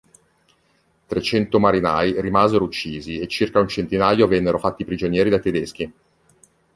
Trecento marinai rimasero uccisi e circa un centinaio vennero fatti prigionieri dai tedeschi.